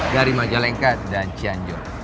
dari majalengka dan cianjong